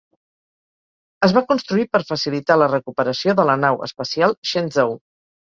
Es va construir per facilitar la recuperació de la nau espacial Shenzhou.